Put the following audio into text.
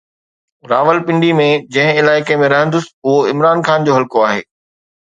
راولپنڊي ۾ جنهن علائقي ۾ رهندس اهو عمران خان جو حلقو آهي.